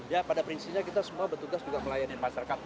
ya pada prinsipnya kita semua bertugas juga melayani masyarakat